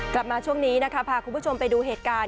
กลับมาช่วงนี้นะคะพาคุณผู้ชมไปดูเหตุการณ์